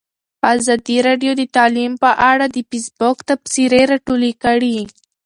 ازادي راډیو د تعلیم په اړه د فیسبوک تبصرې راټولې کړي.